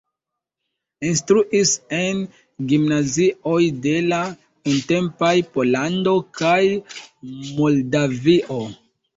Instruis en gimnazioj de la nuntempaj Pollando kaj Moldavio.